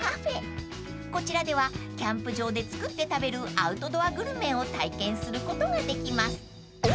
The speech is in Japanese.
［こちらではキャンプ場で作って食べるアウトドアグルメを体験することができます］